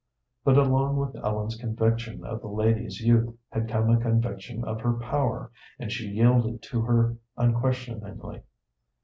But along with Ellen's conviction of the lady's youth had come a conviction of her power, and she yielded to her unquestioningly.